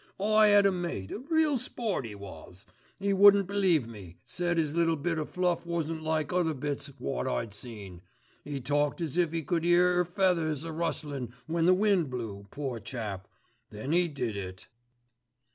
"I 'ad a mate, a real sport 'e was. 'E wouldn't believe me, said 'is little bit o' fluff wasn't like other bits wot I'd seen. 'E talked as if 'e could 'ear 'er feathers a rustling when the wind blew, poor chap! Then 'e did it."